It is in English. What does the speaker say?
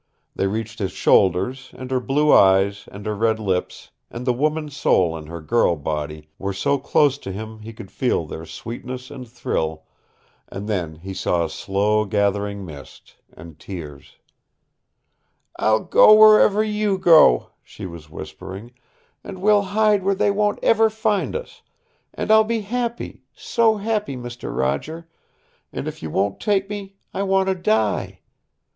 They reached his shoulders, and her blue eyes, and her red lips, and the woman's soul in her girl body were so close to him he could feel their sweetness and thrill, and then he saw a slow gathering mist, and tears "I'll go wherever you go," she was whispering, "And we'll hide where they won't ever find us, and I'll be happy, so happy, Mister Roger and if you won't take me I want to die.